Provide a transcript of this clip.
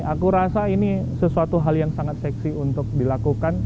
aku rasa ini sesuatu hal yang sangat seksi untuk dilakukan